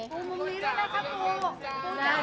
มุมนี้ด้วยนะครับปูนะ